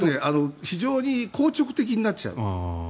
非常に硬直的になっちゃう。